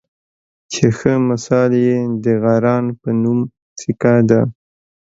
چې ښۀ مثال یې د غران پۀ نوم سیکه ده